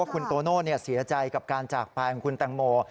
ว่าคุณโตโน่เสียใจกับการจากปลายของคุณตังโม